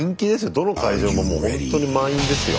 どの会場ももうほんとに満員ですよ。